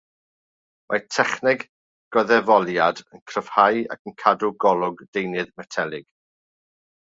Mae techneg goddefoliad yn cryfhau ac yn cadw golwg deunydd metelig.